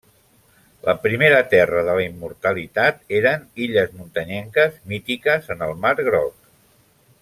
La primera terra de la immortalitat eren illes muntanyenques mítiques en el Mar Groc.